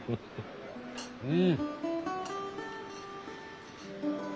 うん。